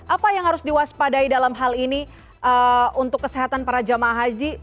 apa yang harus diwaspadai dalam hal ini untuk kesehatan para jemaah haji